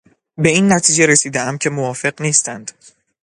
به این نتیجه رسیدهام که موافق نیستند.